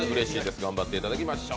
頑張っていただきましょう。